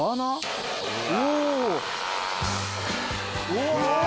うわ！